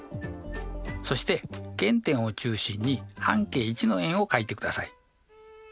そして原点を中心に半径１の円をかいてください。